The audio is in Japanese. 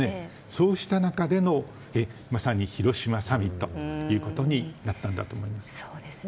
そうした中でのまさに広島サミットということになったんだと思います。